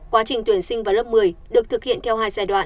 quá trình tuyển sinh vào lớp một mươi được thực hiện theo hai giai đoạn